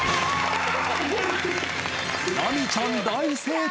ラミちゃん大成功。